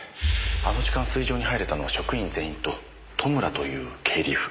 あの時間炊場に入れたのは職員全員と戸村という経理夫。